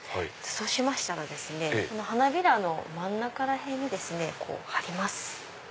そうしましたら花びらの真ん中ら辺に張ります。